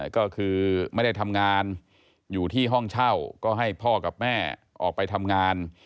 ก็คือไม่ได้ทำงานอยู่ที่ห้องเช่าก็ให้พ่อกับแม่ออกไปทำงาน